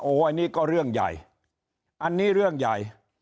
อันนี้ก็เรื่องใหญ่อันนี้เรื่องใหญ่